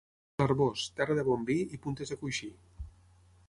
L'Arboç, terra de bon vi i puntes de coixí.